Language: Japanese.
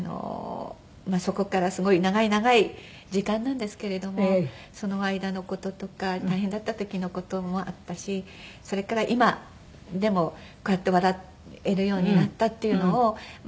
そこからすごい長い長い時間なんですけれどもその間の事とか大変だった時の事もあったしそれから今でもこうやって笑えるようになったっていうのを。